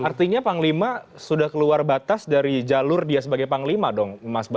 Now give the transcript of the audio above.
artinya panglima sudah keluar batas dari jalur dia sebagai panglima dong mas bas